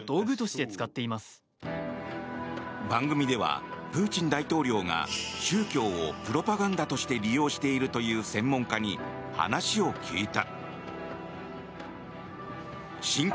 番組では、プーチン大統領が宗教をプロパガンダとして利用しているという専門家に話を聞いた。